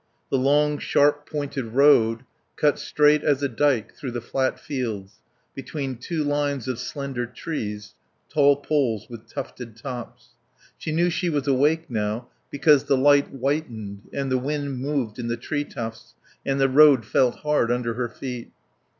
The long, sharp pointed road cut straight as a dyke through the flat fields, between two lines of slender trees, tall poles with tufted tops. She knew she was awake now because the light whitened and the wind moved in the tree tufts and the road felt hard under her feet.